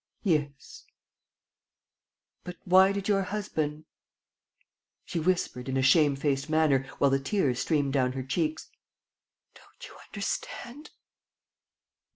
"Yes." "But why did your husband ...?" She whispered in a shame faced manner, while the tears streamed down her cheeks. "Don't you understand?"